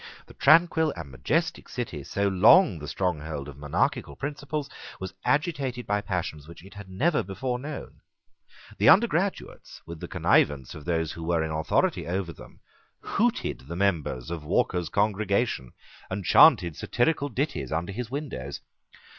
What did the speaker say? The tranquil and majestic city, so long the stronghold of monarchical principles, was agitated by passions which it had never before known. The undergraduates, with the connivance of those who were in authority over them, hooted the members of Walker's congregation, and chanted satirical ditties under his windows.